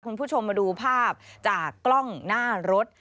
คุณผู้ชมมาดูภาพจากกล้องหน้ารถ